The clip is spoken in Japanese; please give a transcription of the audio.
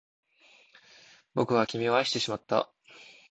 僕は君を愛してしまった